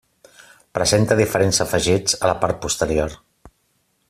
Presenta diferents afegits a la part posterior.